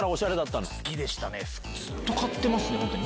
ずっと買ってますね。